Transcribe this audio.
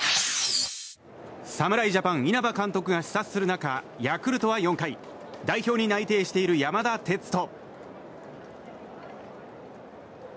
侍ジャパン稲葉監督が視察する中ヤクルトは４回代表に内定している山田哲人。